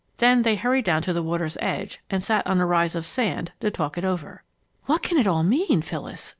Then they hurried down to the water's edge and sat on a rise of sand to talk it over. "What can it all mean, Phyllis?"